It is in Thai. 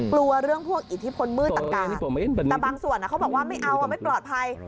กลัวเรื่องพวกอิทธิพลมืดต่างแต่บางส่วนเขาบอกว่าไม่เอาไม่ปลอดภัย